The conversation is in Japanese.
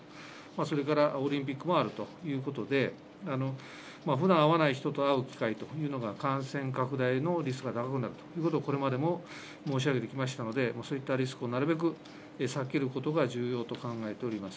それからオリンピックもあるということで、ふだん会わない人と会う機会というのが感染拡大のリスクが高くなるということを、これまでも申し上げてきましたので、そういったリスクをなるべく避けることが重要と考えております。